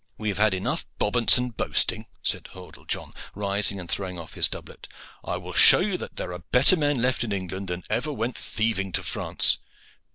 "We have had enough bobance and boasting," said Hordle John, rising and throwing off his doublet. "I will show you that there are better men left in England than ever went thieving to France."